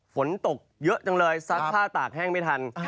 ฝนตกเยอะจังเลยซักผ้าตากแห้งไม่ทัน